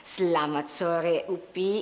selamat sore upi